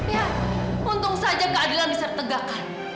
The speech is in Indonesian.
ya untung saja keadilan bisa ditegakkan